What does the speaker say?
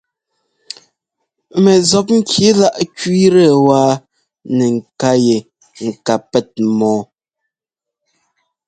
Mɛ zɔpŋki láꞌ kẅíitɛ wáa nɛ ŋká yɛ ŋ ká pɛ́t mɔ́ɔ.